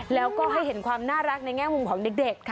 แล้วก็ให้เห็นความน่ารักในแง่มุมของเด็ก